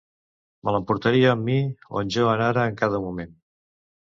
Me l'emportaria amb mi, on jo anara en cada moment.